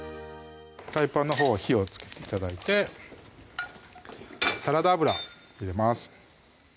フライパンのほうは火をつけて頂いてサラダ油入れます